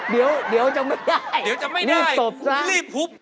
เดี๋ยวจะไม่ได้รีบปรุ๊บอ๋อ